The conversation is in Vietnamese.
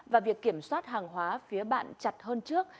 và việc kiểm soát hàng hóa phía bạn chặt hơn trước